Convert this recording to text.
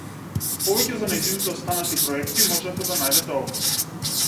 Повеќе за нејзините останати проекти можете да најдете овде.